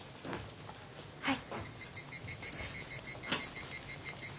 はい。